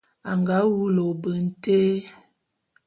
A nga wulu ôbe nté.